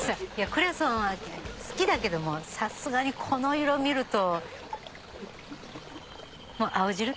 クレソンは好きだけどもさすがにこの色見ると。